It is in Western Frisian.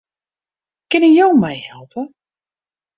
Kinne jo my helpe?